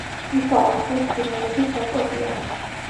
ისარა წყლის ფრინველების საკვებია.